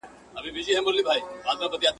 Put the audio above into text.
خپل کور اوماچک نه سي کولاى، د بل کره ماچې کوي.